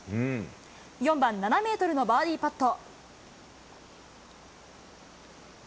４番、７メートルのバーディーパット。